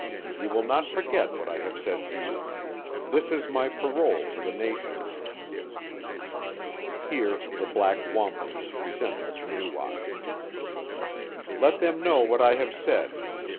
You will not forget what I have said to you. This is my parole to the nations. (Here the black wampum is presented to NEWASH.) Let them know what I have said.